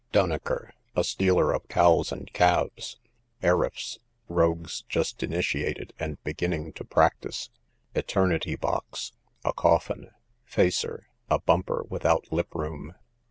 Dunaker, a stealer of cows and calves. Eriffs, rogues just initiated, and beginning to practise. Eternity box, a coffin. Facer, a bumper without lip room.